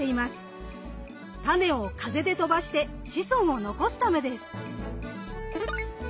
タネを風で飛ばして子孫を残すためです。